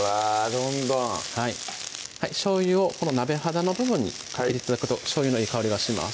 どんどんはいしょうゆをこの鍋肌の部分に入れて頂くとしょうゆのいい香りがします